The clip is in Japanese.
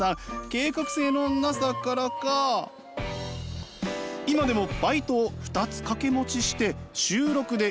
計画性のなさからか今でもバイトを２つ掛け持ちして週６で資金づくり。